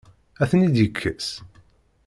Ad ten-id-yekkes?